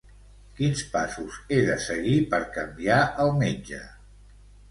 Quins passos he de seguir per canviar el metge?